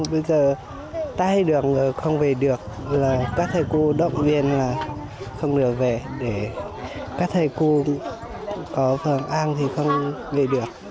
bây giờ tay đường không về được các thầy cô động viên là không được về để các thầy cô có phần ăn thì không về được